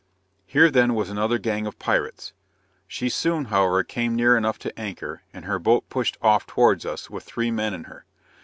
Here then was another gang of pirates. She soon, however, came near enough to anchor, and her boat pushed off towards us with three men in her.